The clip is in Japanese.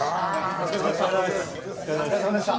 お疲れさまでした。